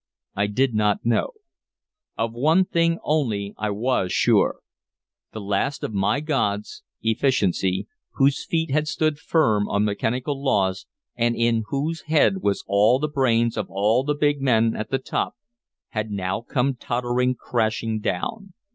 I did not know. Of one thing only I was sure. The last of my gods, Efficiency, whose feet had stood firm on mechanical laws and in whose head were all the brains of all the big men at the top, had now come tottering crashing down.